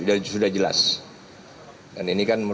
ini merupakan satu tindakan yang melanggar hukum